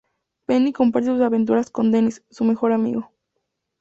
Penny comparte sus aventuras con Dennis, su mejor amigo.